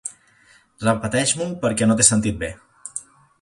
Repeteix-m'ho perquè no t'he sentit bé.